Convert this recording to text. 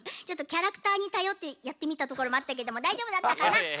ちょっとキャラクターにたよってやってみたところもあったけどもだいじょうぶだったかな。